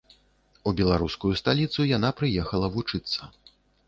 У беларускую сталіцу яна прыехала вучыцца.